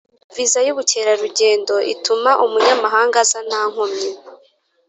Viza y’ubukerarugendo ituma umunyamahanga aza nta nkomyi